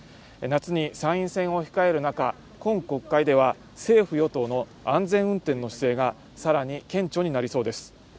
夏に参院選を控える中今国会では政府・与党の安全運転の姿勢がさらに顕著になりそうです